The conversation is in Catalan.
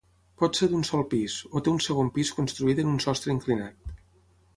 Pot ser d'un sol pis, o té un segon pis construït en un sostre inclinat.